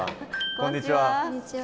こんにちは。